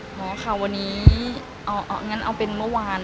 วันนี้คุณได้ถามของน้องเตรียมอาการวันนี้น้องเป็นยังไงบ้าง